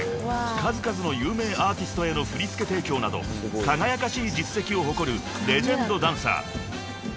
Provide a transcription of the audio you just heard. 数々の有名アーティストへの振り付け提供など輝かしい実績を誇るレジェンドダンサー］